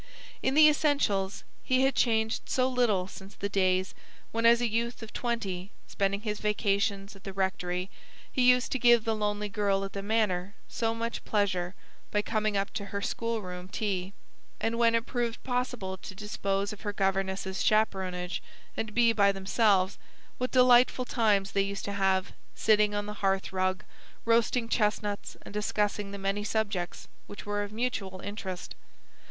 In the essentials he had changed so little since the days when as a youth of twenty spending his vacations at the rectory he used to give the lonely girl at the manor so much pleasure by coming up to her school room tea; and when it proved possible to dispose of her governess's chaperonage and be by themselves, what delightful times they used to have, sitting on the hearth rug, roasting chestnuts and discussing the many subjects which were of mutual interest.